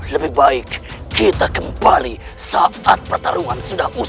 tapi sebagai seorang ibu